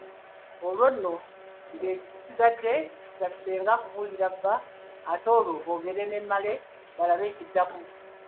Olwo nno ng'ekisigadde kya ssenga kubuulira bba ate olwo boogere ne Male balabe ekiddako.